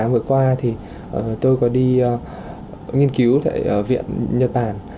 hai nghìn một mươi tám vừa qua thì tôi có đi nghiên cứu tại viện nhật bản